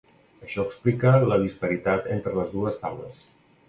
Això explica la disparitat entre les dues taules.